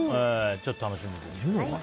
ちょっと楽しみですね。